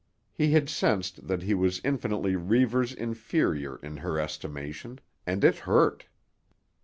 He had sensed that he was infinitely Reivers' inferior in her estimation, and it hurt.